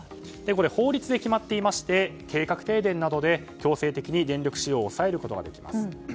法律で決まっていまして計画停電などで強制的に電力使用を抑えることができます。